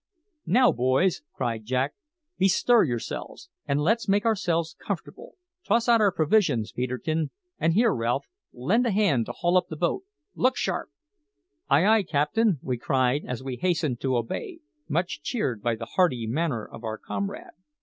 "Now, boys," cried Jack, "bestir yourselves, and let's make ourselves comfortable. Toss out our provisions, Peterkin; and here, Ralph, lend a hand to haul up the boat. Look sharp!" "Ay, ay, captain!" we cried as we hastened to obey, much cheered by the hearty manner of our comrade.